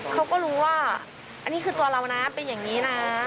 เขาก็รู้ว่าอันนี้คือตัวเรานะเป็นอย่างนี้นะ